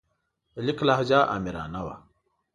د لیک لهجه آمرانه وه.